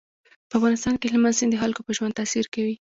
په افغانستان کې هلمند سیند د خلکو په ژوند تاثیر کوي.